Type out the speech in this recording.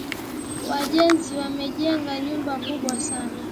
Wajenzi wamejenga nyumba kubwa sana